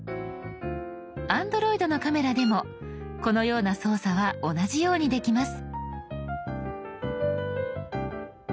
Ａｎｄｒｏｉｄのカメラでもこのような操作は同じようにできます。